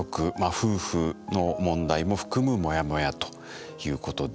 夫婦の問題も含むモヤモヤということで。